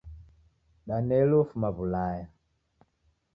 Daneli ofuma W'ulaya